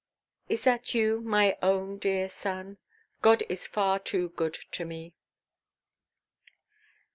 "Is that you, my own dear son? God is far too good to me."